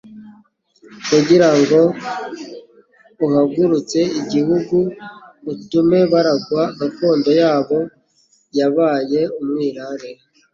kugira ngo uhagumtse igihugu, utume baragwa gakondo yabo yabaye umwirare,